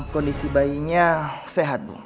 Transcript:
kondisi bayinya sehat